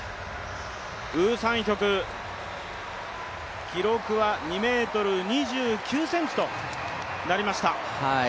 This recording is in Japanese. ウ・サンヒョク、記録は２ｍ２９ｃｍとなりました。